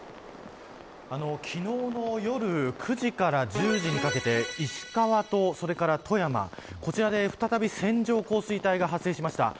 昨日の夜９時から１０時にかけて石川と、それから富山こちらで再び線状降水帯が発生しました。